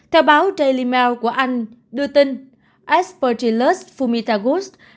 theo báo daily mail của anh đưa tin aspergillus fumicatus